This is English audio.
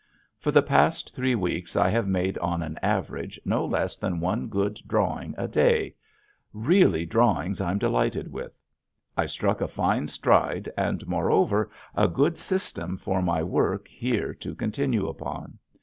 For the past three weeks I have made on an average no less than one good drawing a day, really drawings I'm delighted with. I've struck a fine stride and moreover a good system for my work here to continue upon.